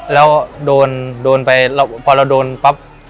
แล้วโดนโดนไปพอเราโดนปั๊บ